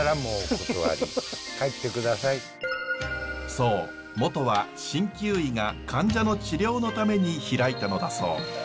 そうもとは鍼灸医が患者の治療のために開いたのだそう。